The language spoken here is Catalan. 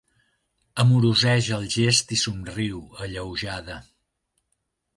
Amoroseix el gest i somriu, alleujada.